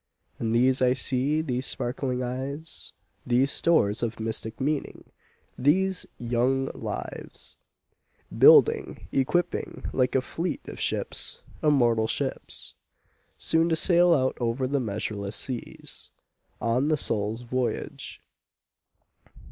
And these I see, these sparkling eyes, These stores of mystic meaning, these young lives, Building, equipping like a fleet of ships, immortal ships, Soon to sail out over the measureless seas, On the soul's voyage.